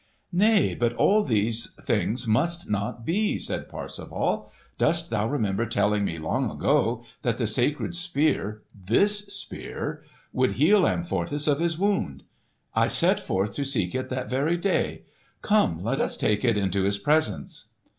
"Nay, but all these things must not be!" said Parsifal. "Dost thou remember telling me, long ago, that the sacred Spear—this Spear!—would heal Amfortas of his wound? I set forth to seek it that very day. Come, let us take it into his presence!"